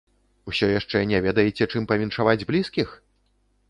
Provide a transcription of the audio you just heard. Усё яшчэ не ведаеце, чым павіншаваць блізкіх?